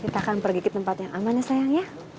kita akan pergi ke tempat yang aman ya sayangnya